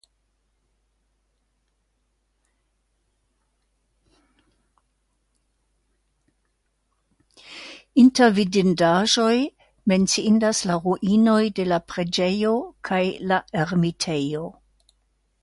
Inter vidindaĵoj menciindas la ruinoj de la preĝejo kaj la ermitejo.